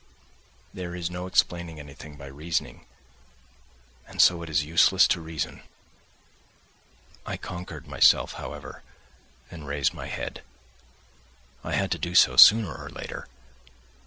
there is no explaining anything by reasoning and so it is useless to reason. I conquered myself, however, and raised my head; I had to do so sooner or later